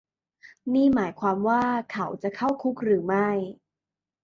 นี่หมายความว่าเขาจะเข้าคุกหรือไม่